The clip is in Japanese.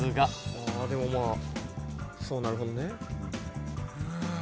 あでもまあそうなるほどね。